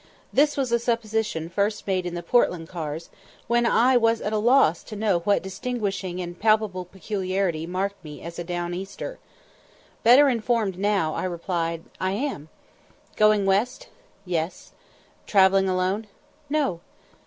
This was a supposition first made in the Portland cars, when I was at a loss to know what distinguishing and palpable peculiarity marked me as a "down easter." Better informed now, I replied, "I am." "Going west?" "Yes." "Travelling alone?" "No."